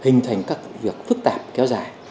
hình thành các việc phức tạp kéo dài